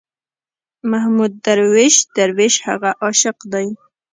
محمود درویش، درویش هغه عاشق دی.